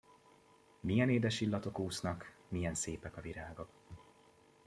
Milyen édes illatok úsznak, milyen szépek a virágok!